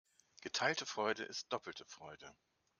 Geteilte Freude ist doppelte Freude.